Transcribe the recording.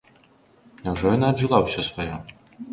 Няўжо яна аджыла ўжо сваё?